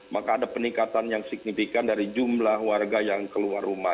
maka ada peningkatan yang signifikan dari jumlah warga yang keluar rumah